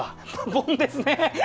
ボンですね。